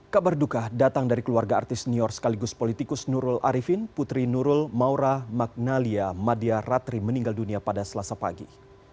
kabar duka datang dari keluarga artis senior sekaligus politikus nurul arifin putri nurul maura magnalia madia ratri meninggal dunia pada selasa pagi